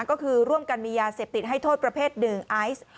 ก็คือร่วมกันมียาเสพติดให้โทษประเภทหนึ่งไอซ์